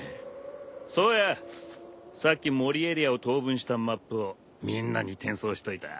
颯也さっき森エリアを等分したマップをみんなに転送しといた。